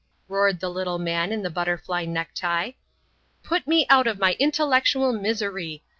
roared the little man in the butterfly necktie. "Put me out of my intellectual misery.